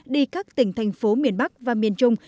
đi các tỉnh thành phố miền bắc và miền trung